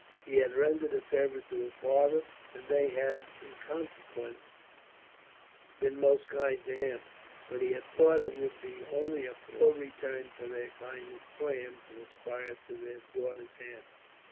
He had rendered a service to her father, and they had, in consequence, been most kind to him; but he had thought that it would be only a poor return for their kindness for him to aspire to their daughter's hand.